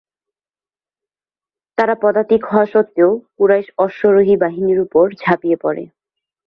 তারা পদাতিক হওয়া সত্ত্বেও কুরাইশ অশ্বারোহী বাহিনীর উপর ঝাঁপিয়ে পড়ে।